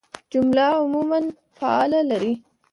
جمله عموماً فعل لري.